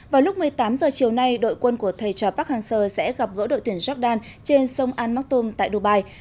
vào lúc một mươi tám h chiều nay đội quân của thầy trò park hang seo sẽ gặp gỡ đội tuyển jordan trên sông al martum tại dubai